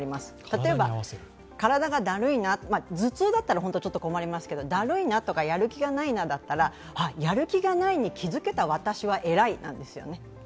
例えば、体が頭痛だったら困りますが、だるいなとか、やる気がないなだったらあっ、やる気がないに気づけた私は偉いなんですよね。